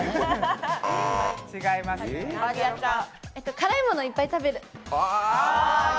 辛いものいっぱい食べる。